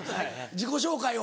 自己紹介を。